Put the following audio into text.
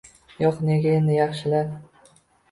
Yo‘q, nega endi, yaxshilar.